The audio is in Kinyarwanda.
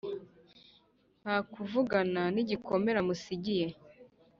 nta kuvugana nigikomere amusigiye